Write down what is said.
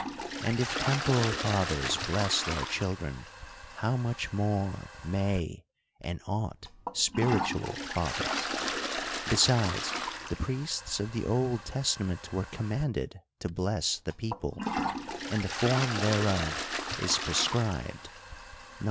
And if temporal fathers bless their children, how much more may, and ought, spiritual fathers ! Besides, the priests of the Old Testament were commanded to bless the people ; and the form thereof is prescribed (Num.